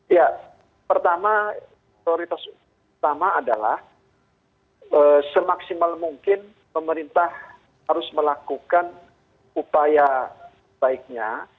ya pertama prioritas utama adalah semaksimal mungkin pemerintah harus melakukan upaya baiknya